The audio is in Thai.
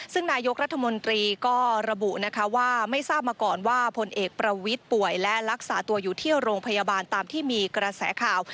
ซึ่งนายกรัฐมนตรีก็ระบุนะคะว่าไม่ทราบมาก่อนว่าพลเอกประวิทย์ป่วยและรักษาตัวอยู่ที่โรงพยาบาลตามที่มีกระแสข่าว